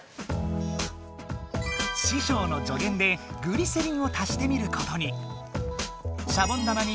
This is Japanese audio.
師匠の助言でグリセリンを足してみることに。